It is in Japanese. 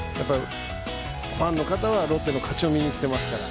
ファンの方はロッテの勝ちを見に来てますから。